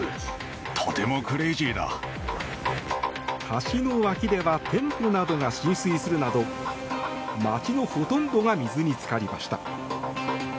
橋の脇では店舗などが浸水するなど街のほとんどが水につかりました。